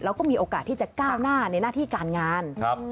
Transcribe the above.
แล้วก็มีโอกาสที่จะก้าวหน้าในหน้าที่การงาน